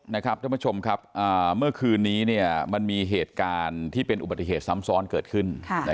ท่านผู้ชมครับเมื่อคืนนี้มันมีเหตุการณ์ที่เป็นอุบัติเหตุซ้ำซ้อนเกิดขึ้น